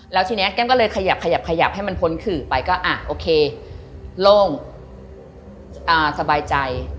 แล้วทีนี้แก้มก็เลยขยับขยับให้มันพ้นขื่อไปก็โอเคโล่งสบายใจ